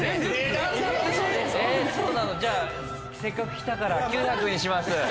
そうなの？じゃあせっかく来たから９００にします。